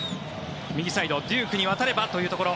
右サイド、デュークに渡ればというところ。